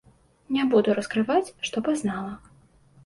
Не буду раскрываць, што пазнала.